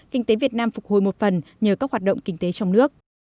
kinh tế việt nam phục hồi một phần nhờ các hoạt động kinh tế trong nước